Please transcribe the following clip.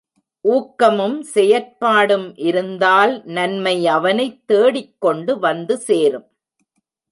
ஊக்கமும் செயற்பாடும் இருந்தால் நன்மை அவனைத் தேடிக்கொண்டு வந்துசேரும்.